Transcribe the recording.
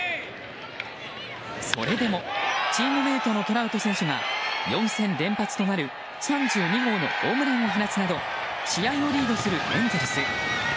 それでもチームメートのトラウト選手が４戦連発となる３２号のホームランを放つなど試合をリードするエンゼルス。